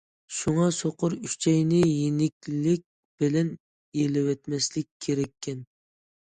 شۇڭا سوقۇر ئۈچەينى يېنىكلىك بىلەن ئېلىۋەتمەسلىك كېرەككەن.